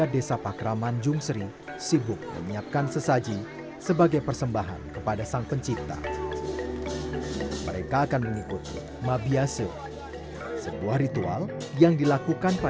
dirayakan selama berbulan bulan lamanya